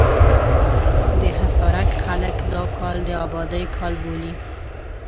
د حصارک خلک دا کال د ابادۍ کال بولي.